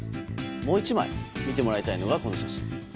もう１枚、見てもらいたいのがこちらの写真。